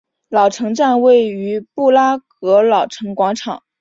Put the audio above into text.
老城站位于布拉格老城广场。